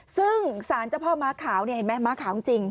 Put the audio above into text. ซึ่งสารเจ้าพ่อม้าขาวเนี่ยเห็นไหมม้าขาวจริง